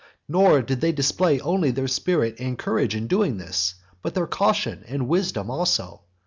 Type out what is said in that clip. Nor did they display only their spirit and courage in doing this, but their caution and wisdom also.